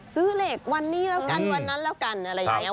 ซื้อเหล็กวันนี้แล้วกันวันนั้นแล้วกันอะไรอย่างนี้